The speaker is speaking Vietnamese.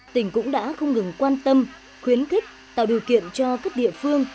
tỉnh cũng đã không ngừng quan tâm khuyến khích tạo điều kiện cho các địa phương